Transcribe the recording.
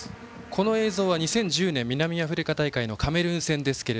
この映像は２０１０年の南アフリカ大会のカメルーン戦。